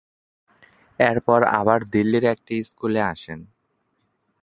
এরপর আবার দিল্লীর একটি স্কুলে আসেন।